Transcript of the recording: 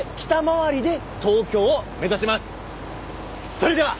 それでは！